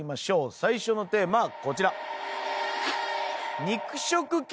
最初のテーマはこちら。